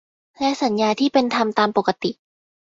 และสัญญาที่เป็นธรรมตามปกติ